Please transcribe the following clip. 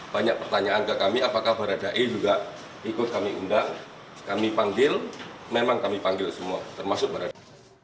banyak pertanyaan ke kami apakah baradae juga ikut kami undang kami panggil memang kami panggil semua termasuk baradae